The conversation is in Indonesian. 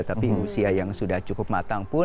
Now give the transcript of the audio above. tapi usia yang sudah cukup matang pun